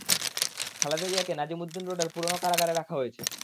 খালেদা জিয়াকে নাজিমুদ্দিন রোডের পুরোনো কারাগারে রাখা হয়েছে।